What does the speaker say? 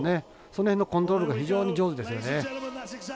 その辺のコントロールが非常に上手ですよね。